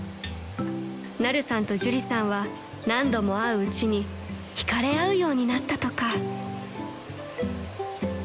［ナルさんと朱里さんは何度も会ううちに引かれ合うようになったとか］